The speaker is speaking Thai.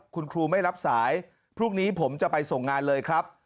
คุณครูไม่รับสายพรุ่งนี้ผมจะไปส่งงานเลยครับ